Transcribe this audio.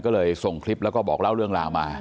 ก็เลยส่งคลิปแล้วก็บอกเล่าเรื่องราวมา